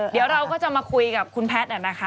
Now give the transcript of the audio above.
เดี๋ยวเราก็จะมาคุยกับคุณแพทย์นะคะ